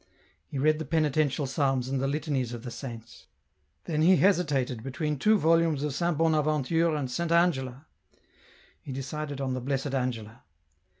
He read the Penitential Psalms and the Litanies of the Saints ; then he hesitated between two volumes of Saint Bonaventure and Saint Angela. He decided on the Blessed Angela.